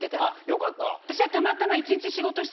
よかったわ。